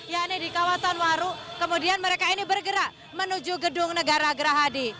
yakni di kawasan waru kemudian mereka ini bergerak menuju gedung negara gerahadi